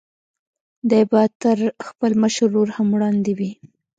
دی به تر خپل مشر ورور هم وړاندې وي.